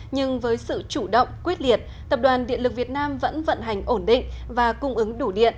nhưng với sự chủ động quyết liệt tập đoàn điện lực việt nam vẫn vận hành ổn định và cung ứng đủ điện